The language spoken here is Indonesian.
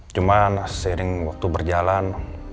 cuman sering waktu berjalan